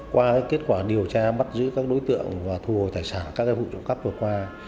qua kết quả điều tra bắt giữ các đối tượng và thu hồi tài sản các vụ trộm cắp vừa qua